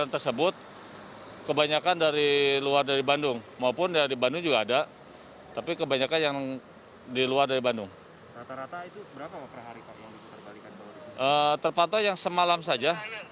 terpatah yang semalam saja